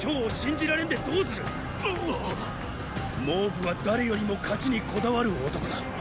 蒙武は誰よりも勝ちにこだわる男だ。